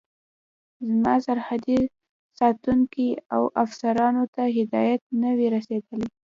زما سرحدي ساتونکو او افسرانو ته هدایت نه وي رسېدلی.